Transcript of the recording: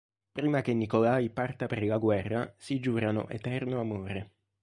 Prima che Nikolaj parta per la guerra si giurano eterno amore.